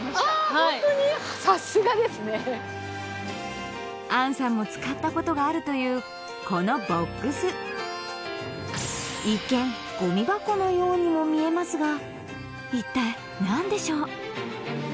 さすがですね杏さんも使ったことがあるというこのボックス一見ゴミ箱のようにも見えますが一体何でしょう？